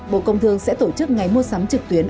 bộ công thương sẽ tổ chức ngày mua sắm trực tuyến